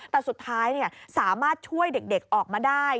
แต่สุดท้ายสามารถช่วยเด็กออกมาได้